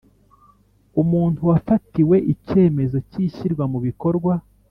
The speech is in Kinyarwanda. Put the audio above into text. Umuntu wafatiwe icyemezo cy ishyirwa mubikorwa